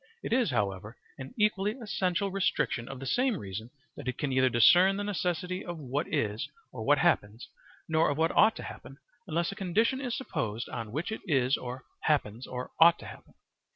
It is, however, an equally essential restriction of the same reason that it can neither discern the necessity of what is or what happens, nor of what ought to happen, unless a condition is supposed on which it is or happens or ought to happen.